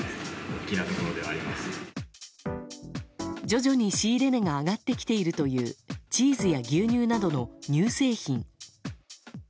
徐々に仕入れ値が上がってきているというチーズや牛乳などの乳製品。